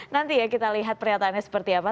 nanti ya kita lihat pernyataannya seperti apa